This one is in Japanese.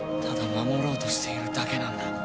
ただ守ろうとしているだけなんだ。